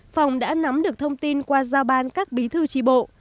phòng đã nắm được thông tin qua giao ban các bí thư tri bộ